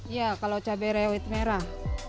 iya kalau cabai rawit merah